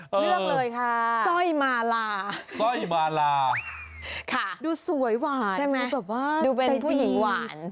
เลือกเลยค่ะซ่อยมาลาซ่อยมาลาค่ะดูสวยหวานดูแบบว่าใดดีดูเป็นผู้หญิงหวาน